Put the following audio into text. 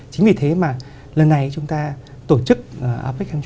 chính vì thế mà lần này chúng ta tổ chức apec hai nghìn một mươi bảy